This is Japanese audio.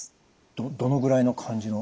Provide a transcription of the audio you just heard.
どのぐらいの感じの？